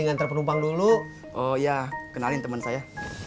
nganter penumpang dulu oh iya kenalin temen saya